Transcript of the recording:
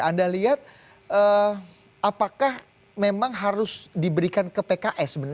anda lihat apakah memang harus diberikan ke pks